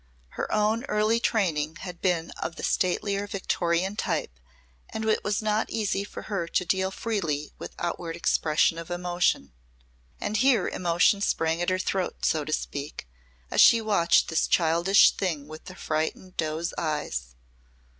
Her own early training had been of the statelier Victorian type and it was not easy for her to deal freely with outward expression of emotion. And here emotion sprang at her throat, so to speak, as she watched this childish thing with the frightened doe's eyes.